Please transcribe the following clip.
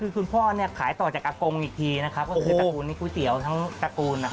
คือคุณพ่อเนี่ยขายต่อจากอากงอีกทีนะครับก็คือตระกูลนี้ก๋วยเตี๋ยวทั้งตระกูล